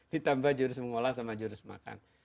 ditambah jurus mengolah sama jurus makan